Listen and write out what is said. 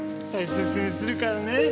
大切にするからね。